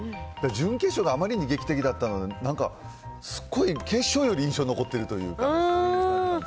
準決勝があまりに劇的だったので、なんか、すっごい決勝より印象に残ってるというか。